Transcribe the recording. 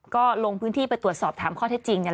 ก็ลงพื้นที่ไปตรวจสอบถามข้อเท็จจริงกัน